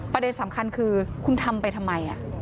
ประเด็นสำคัญคือคุณทำไปทำไม